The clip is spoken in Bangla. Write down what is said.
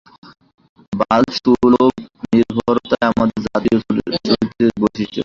বালসুলভ নির্ভরতাই আমাদের জাতীয় চরিত্রের বৈশিষ্ট্য।